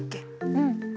うん。